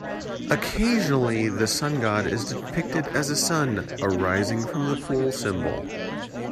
Occasionally, the sun god is depicted as a sun arising from the pool symbol.